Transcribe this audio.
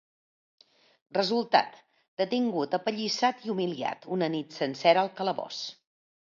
Resultat: detingut, apallissat i humiliat una nit sencera al calabós.